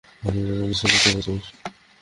পানির জন্য নিশ্চয়ই ভিক্ষে চাইছিস?